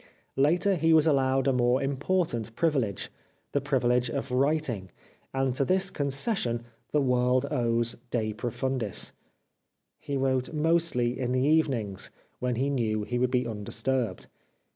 Later he was allowed a more important privilege — the privilege of writing — and to this 388 The Life of Oscar Wilde concession the world owes " De Profundis." He wrote mostly in the evenings, when he knew he would be undisturbed.